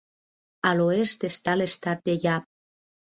A l'oest està l'estat de Yap.